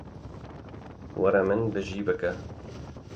Were min bi cî bike.